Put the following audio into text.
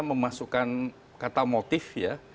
memasukkan kata motif ya